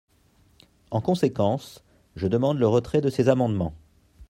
En conséquence, je demande le retrait de ces amendements.